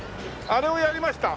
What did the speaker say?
あれをやりました。